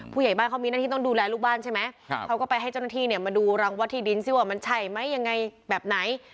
ผู้ใหญ่บ้านเขามีหน้าที่ต้องดูแลลูกบ้านใช่ไหมเขาก็ไปให้เจ้าหน้าที่เนี่ยมาดูรังวัดที่ดินสิว่ามันใช่ไหมยังไงแบบไหน